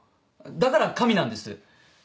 だから神なんです。